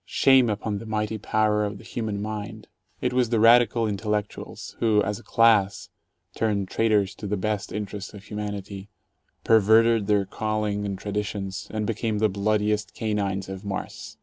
Shame upon the mighty power of the human mind! It was the "radical intellectuals" who, as a class, turned traitors to the best inte rests of humanity, perverted their calling and traditions, and became the bloodiest canines of Mars.